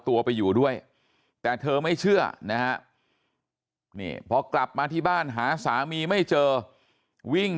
ตัวไปอยู่ด้วยแต่เธอไม่เชื่อนะฮะนี่พอกลับมาที่บ้านหาสามีไม่เจอวิ่ง